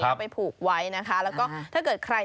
เอาไปผูกไว้นะคะแล้วก็ถ้าเกิดใคร